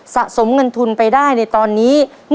สะสมเงินทุนไปได้ในตอนนี้